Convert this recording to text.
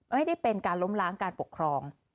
ไม่ได้เป็นการล้มล้างการปกครอง